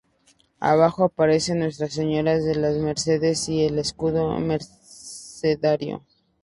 Abajo aparece Nuestra Señora de las Mercedes y el escudo mercedario.